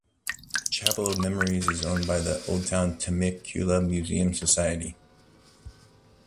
Chapel of Memories is owned by the Old Town Temecula Museum Society.